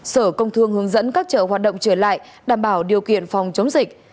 sở công thương hướng dẫn các chợ hoạt động trở lại đảm bảo điều kiện phòng chống dịch